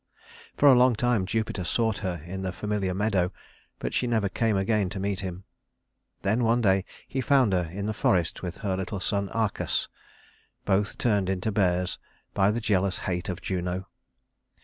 For a long time Jupiter sought her in the familiar meadow, but she never came again to meet him. Then one day he found her in the forest with her little son Arcas both turned into bears by the jealous hate of Juno.